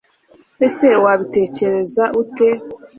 ese wabitekereza ute